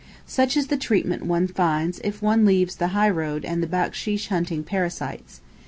Such is the treatment one finds if one leaves the highroad and the backsheesh hunting parasites.